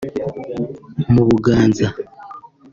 mu Buganza